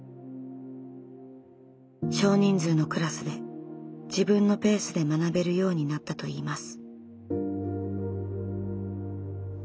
少人数のクラスで自分のペースで学べるようになったといいます。